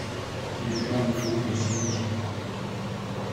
Il était membre du groupe Les Cyniques.